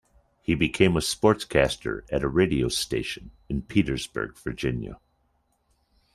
He became a sportscaster at a radio station in Petersburg, Virginia.